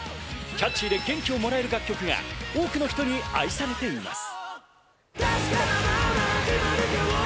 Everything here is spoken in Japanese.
キャッチーで元気をもらえる楽曲が多くの人に愛されています。